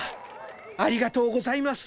ありがとうございます。